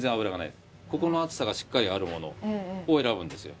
ここの厚さがしっかりあるものを選ぶんですよ。